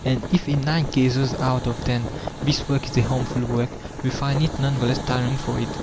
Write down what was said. And if in nine cases out of ten this work is a harmful work, they find it none the less tiring for that.